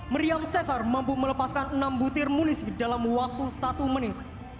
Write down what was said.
meriam cesar mampu melepaskan enam butir munis dalam waktu satu menit